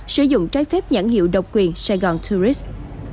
sử dụng trái phép nhãn hiệu độc quyền sài gòn tourist